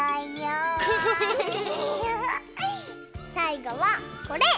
さいごはこれ！